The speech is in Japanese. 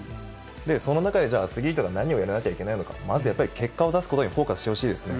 その中でじゃあ、アスリートが何をやらなきゃいけないのか、まずやっぱり結果を出すことにフォーカスしてほしいですね。